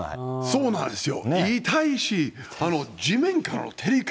そうなんですよ。